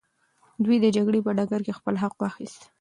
دوی د جګړې په ډګر کي خپل حق واخیست.